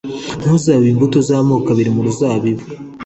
Ntuzabibe imbuto z amoko abiri mu ruzabibu